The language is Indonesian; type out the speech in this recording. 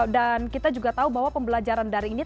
dan kita juga tahu bahwa pembelajaran dari ini